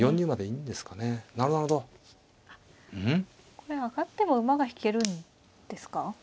これ上がったら馬が引けるんですか。